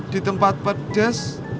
di tempat pedas